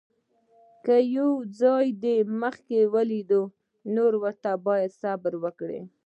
که یو ځای دې مخکې ولید، نورو ته باید صبر وکړې.